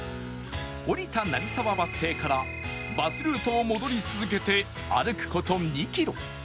降りた成沢バス停からバスルートを戻り続けて歩く事２キロ